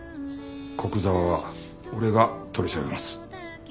古久沢は俺が取り調べます。